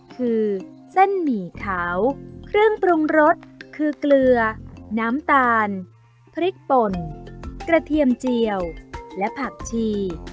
คือเส้นหมี่ขาวเครื่องปรุงรสคือเกลือน้ำตาลพริกป่นกระเทียมเจียวและผักชี